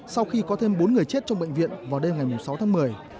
sau khi có thêm bốn người chết trong bệnh viện vào đêm ngày sáu tháng một mươi